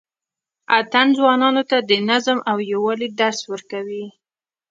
اتڼ ځوانانو ته د نظم او یووالي درس ورکوي.